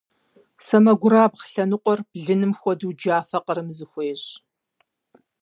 Сэмэгурабгъу лъэныкъуэр блыным хуэдэу джафэ къырым зэхуещӀ.